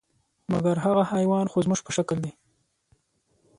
مګر هغه حیوان خو زموږ په شکل دی .